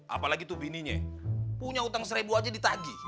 apalagi tuh bininya punya utang seribu aja ditagi